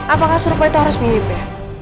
apakah serupa itu harus mirip ya